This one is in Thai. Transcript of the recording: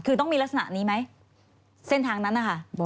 คือต้องมีลักษณะนี้ไหมเส้นทางนั้นนะคะ